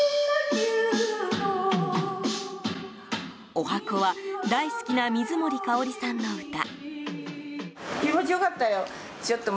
十八番は大好きな水森かおりさんの歌。